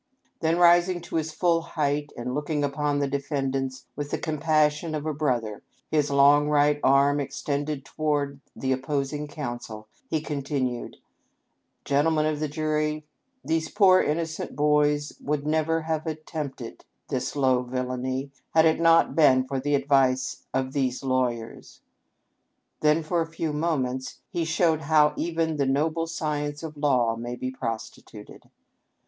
' "Then rising to his full height, and looking upon the defend ants with the compassion of a brother, his long right arm extended toward the opposing counsel, he continued :' Gentle men of the jury, these poor innocent boys would never have attempted this low villany had it not been for the advice of these lawyers.' Then for a few minutes he showed how even the noble science of law may be prostituted.